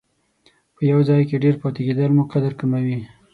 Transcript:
په یو ځای کې ډېر پاتې کېدل مو قدر کموي.